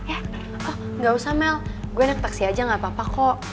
oh gak usah mel gue naik taksi aja gak apa apa kok